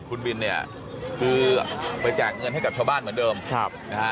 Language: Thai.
คุณบินเนี่ยคือไปแจกเงินให้กับชาวบ้านเหมือนเดิมครับนะฮะ